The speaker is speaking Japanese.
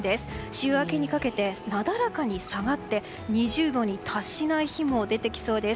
週明けにかけてなだらかに下がって２０度に達しない日も出てきそうです。